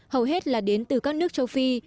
hầu hết là đến từ các nước châu phi